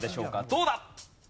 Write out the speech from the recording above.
どうだ？